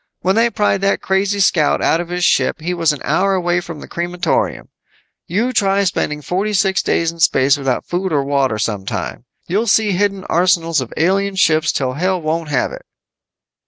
When they pried that crazy scout out of his ship, he was an hour away from the crematorium. You try spending forty six days in space without food or water sometime! You'll see hidden arsenals of alien ships till hell won't have it."